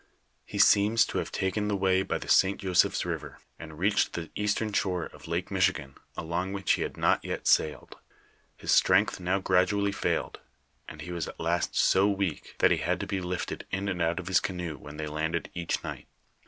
He seems to have taken the way by the St. Joseph's river, and reached the eastern shore of Lake Michigan, along which he had not yet sailed. His strength now gradually failed, and he was at last so weak that he had to be lifted in and out of his canoe when they landed each night.